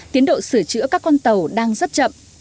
tiến độ sửa chữa các con tàu đang rất chậm